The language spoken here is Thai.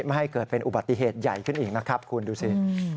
ไม่ให้เกิดเป็นอุบัติเหตุใหญ่ขึ้นอีกนะครับคุณดูสิ